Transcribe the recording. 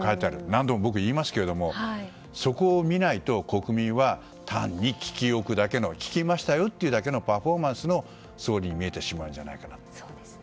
何度も僕言いますけどそこを見ないと国民は、単に聞き置くだけの聞きましたよというだけのパフォーマンスの総理に見えてしまうんじゃないかなと。